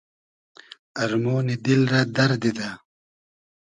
ارمۉنی دیل رۂ دئر دیدۂ